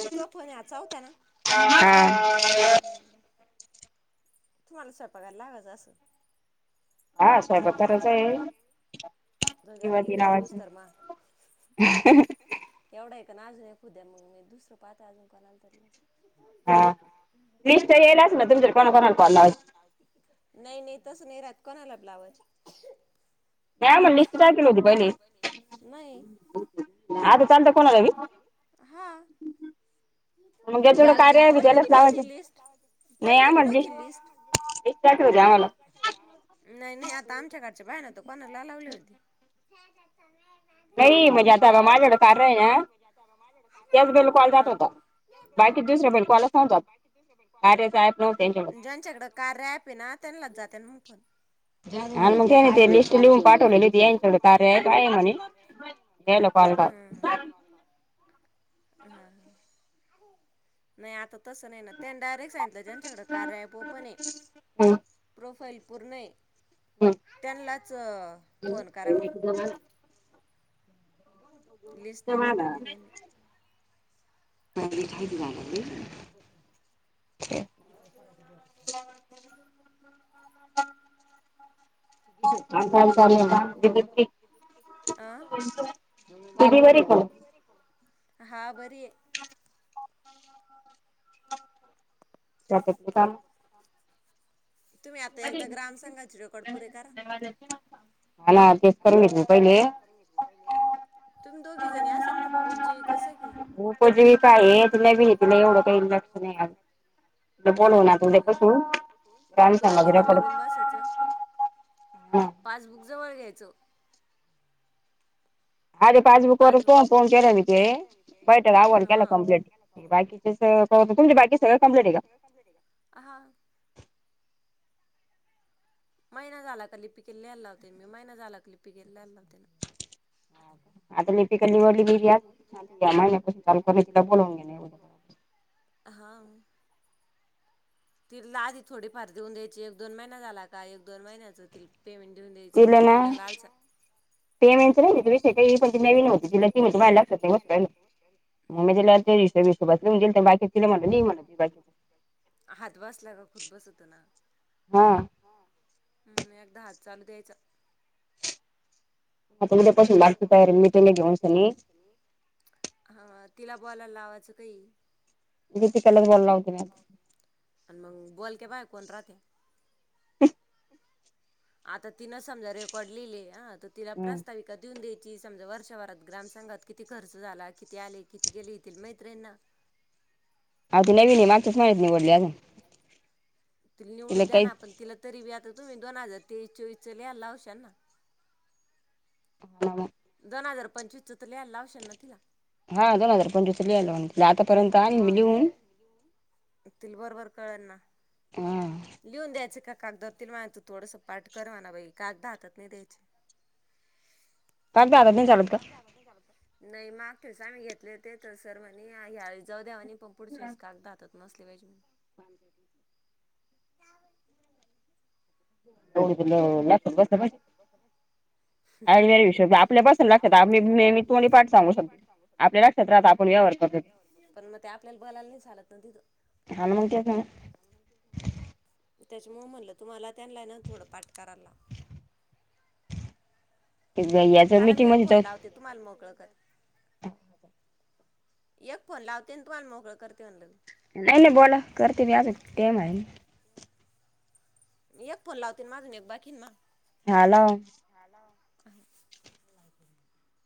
कि तो कोनचा होता ना हा तुम्हाला स्वयपाकायला लागच असंल हा सोयपाक करच आहे जाऊ दे आहे म आता एक कॉल होऊस ती तर मग [inaudible] एवढा आहे ना अजून फ पुद्या मग दुसरंहा अजूं कोणाला हा लिस्ट यायलाच ना तुमच्या कोणा कोणाला कॉल लावायची नाही नाही तस नाही राहते कोणाला? लावायचे. नाही आ म्हण लिस्ट टाखल होती पहिले, नाही आता चालत कोणाला हा म्हणवढ कार्यावी पहिले त्यालाच बी लावायच नव्हती लिस्ट नाही आ पहिले बी म्हण नव्हती लिस्ट लिस्टखल होती आम्हाला नाही नाही आता आमच्याकडच बाय कोणाला लावली होती. नाही म्हणजे आता माझ्याकडे कार्य आहे ना त्याच बेल कॉल जात होता बाकी दुसऱ्या बेल कॉलच नव्हता कार्याच ऍप नव्हतं त्यांच्याकडे ज्यांच्याकडे कार्या ऍप ये ना त्यांनाच जात त्यामुफण [inaudible] ह मग घ ते लिस्ट लिऊन पाठवलेली त्यांनी एक कार्य अँप आहे म्हणे त्याला कॉल कर. हा हा नाही आता तस नाही ना त्याना सांगितलंच्यान सगळं कार्या ऍप ओपन आहे प्रोफाईल कुठं आहे? त्यांनाच फोन करा म्हणून लिस्ट नाही तमला पाठवली त्यांनी हां आता अ [unintelligible] ती बरी का हा बरी आहे. स्वयपाक च काम तुम्ही आता एकदा ग्राम संघाचे रेकॉर्ड पुरे करा हाणा तेच करत होते पहिले तुम्ही दोघी जणी असल ना उबजी कस कि उपजीविका आहे तिला बी आहे तिला एवढं काही लक्ष नाही आज तिला बोलव ना पण उद्यापासून ग्राम दो समाज गना रेकॉर्ड मिळून बसायच हा पासबुक जवळ घ्यायच आधी वर फोन पासबुक फोन केला मी ते बैठक आव्हान केला कंप्लीट बाकीचेच तुमचे बाकी सगळं कंप्लीट आहे का? हा हा महिना झाला का लिपिक केली ल्याल लावते मी महिना झाला का लिपिकेली ल्याल लावते ना? आता लिपिका निवडली मी भी आज या महिन्या कून चालू कर तिला बोलवून घे नाही्या बरबर तिर ला आधी थोडी फार देऊन द्यायची एक दोन महिना झाला. का एक दोन महिन्याच तील पेमेंट देऊन द्यायचं मंग तिला लाल सा पेमेंटच नाही विषय काही पण ती नवीन होती तिला ती म्हणते माझ्या लक्षात नाही बसू राहिलं मग मी तिला ते हिशोब हिशोबात लिहून दिलत बाकी तिला म्हणलं लिही म्हणलं तुझ्या बाकीचं हात बसला ग खुद बस होत ना हा हम् एकदा हात चालू द्यायचा आता उद्यापासून लागते तयारील मी तने घेऊनसनी हा तिला बोलायल लावायचं कही? दीपिकालाच बोलायला लावते मी आता आण मंग बोलक्या बाय कोण राहती? [inaudible] आता तिनं समजा रेकॉर्ड लिहिले अ त् त तिला हम्म प्रास द्युन द्यायची समजा, वर्षभरात ग्रामसंघात किती खर्च झाला किती आले, किती केले, हे तील माहीत राहींना. अहो ती नवीन आहे मागच्याच महिन्यात निवडली अजून तिल निवडू तिला द्या ना काहीच आपण तिला तरी ब्यां आत तुम्ही दोन हजार तेवीस-चोवीस चं लिहाय लावशाल ना? मला पण दोन हजार पंचवीस च तर लिहायला लावशिल ना तिला हा दोन हजार पंचवीस लिहाय लावून तिला आतापर्यंत आणीन मी मग लिहून कळना हा लिहून द्यायच का कागदावर तील मनायच थोडस पाठ कर म्हना बाई कागद हातात नाही द्यायचे. कागद हातात नाही चालत का नही माक तेच आम्ही घेतले तेथसरवांनी आइ यांवेळेस जाऊ दे आणि पुढच्यावेळेस कागद हातात बसले बाई जेवून ह एवढं तुला लक्षात बसलं पाहिजे आयडी बियडी हिशोब आपल्यापासून लक्षात आप मी मी तोंडी पाठ सांगू शकते आपल्या लक्षात राहतं आपण व्यवहार करतो पण म ते आपल्याला बोलायला नाही चालत ना हा ना मग तेच तिथ त्याच्या मूळ म्हणलं तुम्हाला त्यानला हेना थोडं पाठी कराला ना याचं चालाल मी मीटिंग यक मध्ये फोन जाऊ लावते तुम्हाला मोकळ कर यक फोन लावते अन् तुम्हाला मोकळं करते म्हनल मी नाही नाही बोला करते मी आजून टाइम आहे ना यक फोन लावतेन माज मी बाकीन मग हॅलो [inaudible]